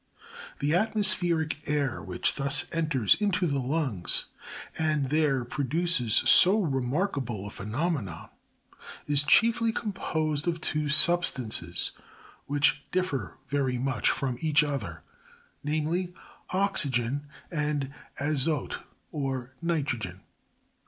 22. The atmospheric air which thus enters into the lungs, and there produces so remarkable a phenomenon, is chiefly composed of two substances which differ very much from each other ; namely oxygen, and azote or nitrogen.